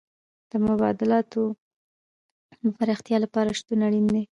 د مبادلاتو د پراختیا لپاره بدلون اړین و.